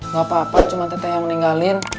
gak apa apa cuma teteh yang meninggalin